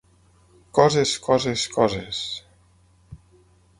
Coses, coses, coses...